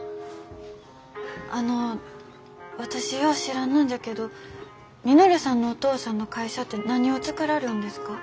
あの私よう知らんのんじゃけど稔さんのお父さんの会社て何を作らりょんですか？